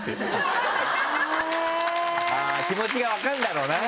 気持ちが分かるんだろうな。